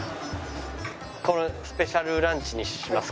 このスペシャルランチにしますか。